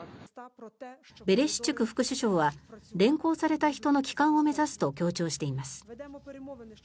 ベレシュチュク副首相は連行された人の帰還を目指すと強調しています。